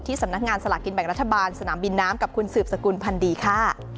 สำนักงานสลากกินแบ่งรัฐบาลสนามบินน้ำกับคุณสืบสกุลพันธ์ดีค่ะ